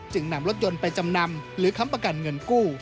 นำรถยนต์ไปจำนำหรือค้ำประกันเงินกู้